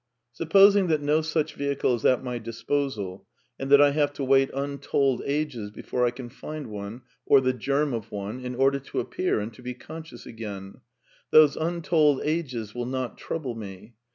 Supposing that no such vehicle is at my disposal, and that I have to wait untold ages before I can find one, or the germ of one, in order to appear and to be conscious again; those imtold ages will not trouble me.